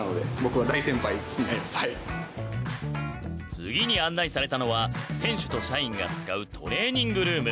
次に案内されたのは選手と社員が使うトレーニングルーム。